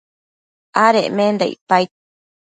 adecmenda icpaid